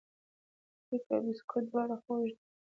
کیک او بسکوټ دواړه خوږې دي.